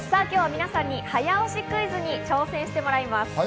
今日は皆さんに早押しクイズに挑戦してもらいます。